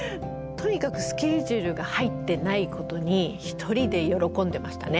とにかくスケジュールが入ってないことに一人で喜んでましたね。